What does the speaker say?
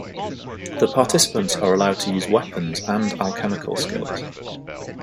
The participants are allowed to use weapons and alchemical skills.